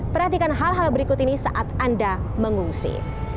perhatikan hal hal berikut ini saat anda mengungsi